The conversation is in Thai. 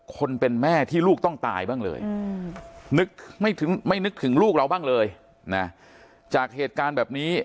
คนเป็นแม่ที่ลูกต้องตายบ้างเลยไม่นึกถึงลูกเราบ้างเลยนะจากเหตุการณ์แบบนี้